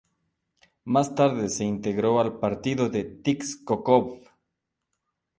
Más tarde se integró al "Partido de Tixkokob".